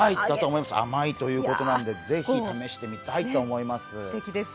甘いということなので、ぜひ試してみたいと思います。